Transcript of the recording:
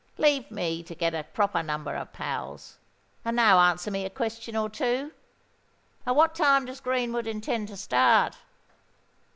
Leave me to get a proper number of pals; and now answer me a question or two. At what time does Greenwood intend to start?"